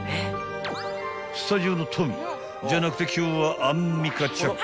［スタジオのトミーじゃなくて今日はアンミカちゃん］